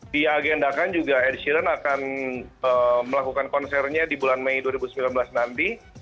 diagendakan juga ed sheeran akan melakukan konsernya di bulan mei dua ribu sembilan belas nanti